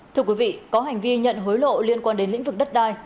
thưa quý vị có hành vi nhận hối lộ liên quan đến lĩnh vực đất đai